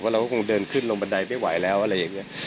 เราก็คงเดินขึ้นลงบันไดไม่ไหวแล้วอะไรอย่างนี้